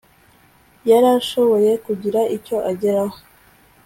yarashoboye kugira icyo ageraho